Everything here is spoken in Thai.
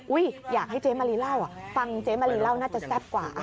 อยากให้เจ๊มะลีเล่าฟังเจ๊มะลีเล่าน่าจะแซ่บกว่า